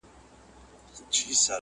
ما دا څه عمرونه تېر کړله بېځایه.!